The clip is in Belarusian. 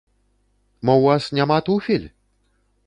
Мо ў вас няма туфель?